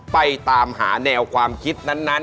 ไปตามหาแนวความคิดนั้น